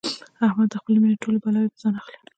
احمد د خپلې مینې ټولې بلاوې په ځان اخلي.